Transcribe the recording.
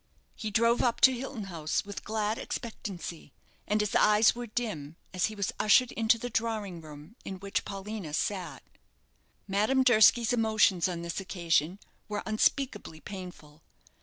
He drove up to Hilton House with glad expectancy, and his eyes were dim as he was ushered into the drawing room in which Paulina sat. Madame Durski's emotions on this occasion were unspeakably painful.